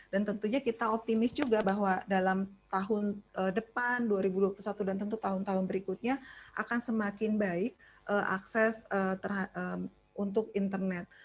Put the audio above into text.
dan tentunya kita optimis juga bahwa dalam tahun depan dua ribu dua puluh satu dan tentu tahun tahun berikutnya akan semakin baik akses terhadap internet